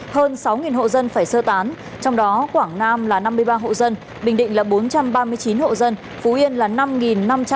hơn sáu hộ dân phải sơ tán trong đó quảng nam là năm mươi ba hộ dân bình định là bốn trăm ba mươi chín hộ dân phú yên là năm năm trăm một mươi bảy hộ dân và khánh hòa là hai mươi một hộ